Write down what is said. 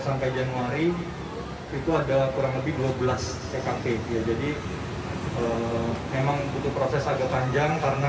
sampai januari itu ada kurang lebih dua belas tkp ya jadi memang butuh proses agak panjang karena